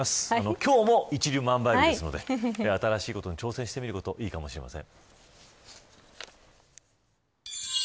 今日も一粒万倍日ですので新しいことに挑戦してみるのもいいかもしれません。